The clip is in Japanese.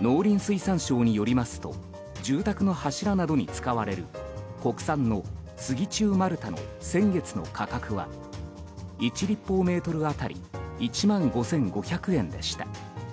農林水産省によりますと住宅の柱などに使われる国産のスギ中丸太の先月の価格は１立方メートル当たり１万５５００円でした。